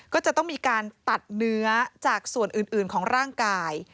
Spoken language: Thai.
ก็จะต้องมีการตัดเนื้อจากส่วนอื่นของร่างกาย